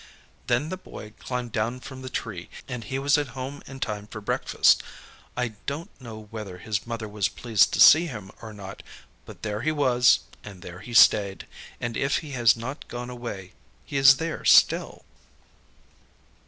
Then the Boy climbed down from the tree, and he was at home in time for breakfast. I don't know whether his mother was pleased to see him or not; but there he was, and there he stayed, and if he has not gone away, he is there still.